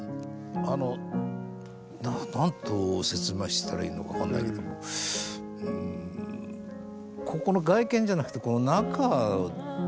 あの何と説明したらいいのか分かんないけどもここの外見じゃなくてへえ。